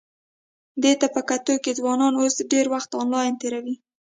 دې ته په کتو چې ځوانان اوس ډېر وخت انلاین تېروي،